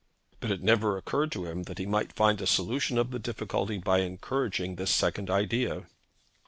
But it never occurred to him that he might find a solution of the difficulty by encouraging this second idea.